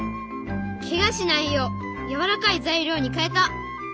ケガしないよう柔らかい材料に変えた。